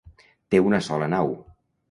Té una sola nau.